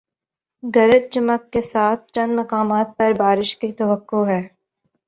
گرج چمک کے ساتھ چند مقامات پر بارش کی توقع ہے